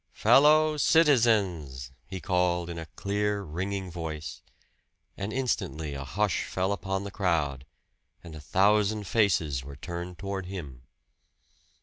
"Fellow citizens," he called in a clear, ringing voice; and instantly a hush fell upon the crowd, and a thousand faces were turned toward him.